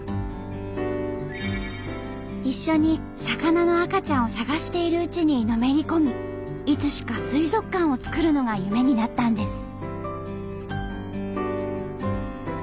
一緒に魚の赤ちゃんを探しているうちにのめり込みいつしか水族館を作るのが夢になったんです。